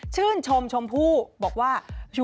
ชื่นชมชมพู่บอกว่า